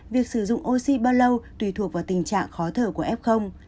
việc sử dụng oxy bao lâu tùy thuộc vào tình trạng khó thở của ép không